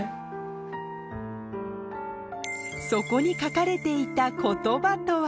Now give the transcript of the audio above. そこに書かれていた言葉とは